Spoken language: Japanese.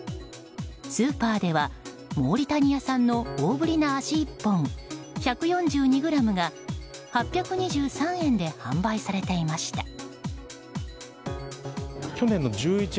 スーパーではモーリタニア産の大ぶりな足１本１４２ｇが８２３円で販売されていました。